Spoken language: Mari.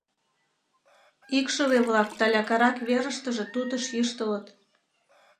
Икшыве-влак талякарак верыштыже тутыш йӱштылыт.